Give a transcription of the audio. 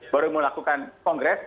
baru melakukan kongres